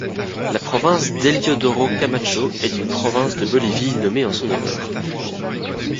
La Province d'Eliodoro Camacho est une province de Bolivie nommée en son honneur.